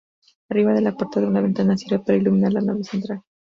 Arriba de la portada una ventana sirve para iluminar la nave central.